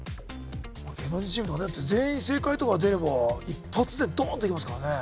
芸能人チーム全員正解とか出れば一発でドーンといけますからね